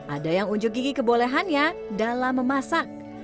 ada yang unjuk gigi kebolehannya dalam memasak